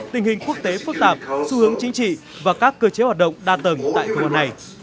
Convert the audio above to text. tình hình quốc tế phức tạp xu hướng chính trị và các cơ chế hoạt động đa tầng tại khu vực này